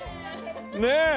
ねえ。